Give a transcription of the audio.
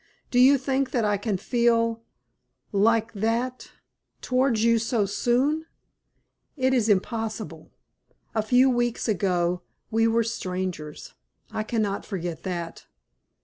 Do you think that I can feel like that towards you so soon? It is impossible. A few weeks ago we were strangers. I cannot forget that."